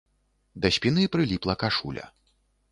Да спіны прыліпла кашуля.